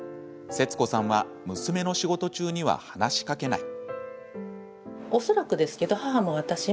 節子さんは娘の仕事中には話しかけない。